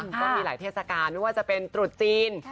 ก็มีหลายเทศกาลไม่ว่าจะเป็นตรุษจีน